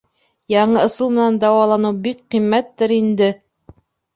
Яңы ысул менән дауаланыу бик ҡиммәттер инде?